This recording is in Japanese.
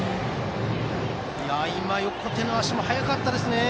今、横手の足も速かった。